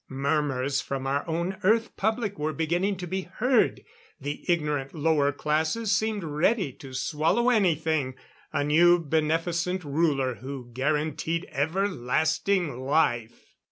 Murmurs from our own Earth public were beginning to be heard. The ignorant lower classes seemed ready to swallow anything. A new beneficent ruler who guaranteed everlasting life!